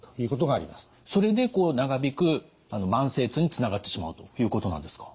それでこう長引く慢性痛につながってしまうということなんですか。